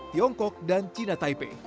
tiongkok dan cina taipei